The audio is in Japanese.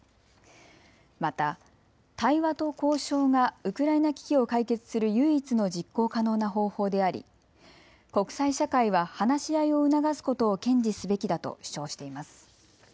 また対話と交渉がウクライナ危機を解決する唯一の実行可能な方法であり国際社会は話し合いを促すことを堅持すべきだと主張しています。